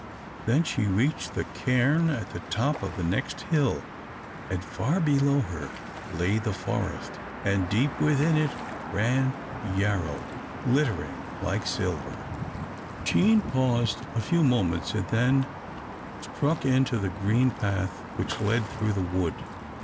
Then she reached the cairn at the top of the next hill, and far below her lay the forest, and deep within it ran Yarrow, glittering like silver. [Illustration: Page 282] Jean paused a few moments, and then struck into a green path which led through the wood.